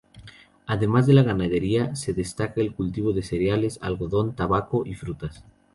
Además de la ganadería, se destaca el cultivo de cereales, algodón, tabaco y frutas.